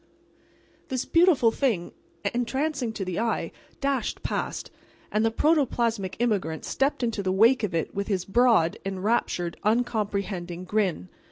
This beautiful thing, entrancing to the eye, dashed past, and the protoplasmic immigrant stepped into the wake of it with his broad, enraptured, uncomprehending grin.